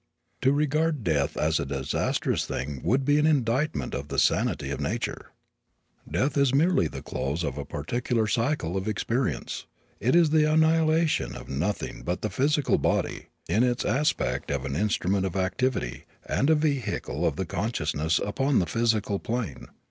To regard death as a disastrous thing would be an indictment of the sanity of nature. Death is merely the close of a particular cycle of experience. It is the annihilation of nothing but the physical body, in its aspect of an instrument of activity and a vehicle of the consciousness upon the physical plane.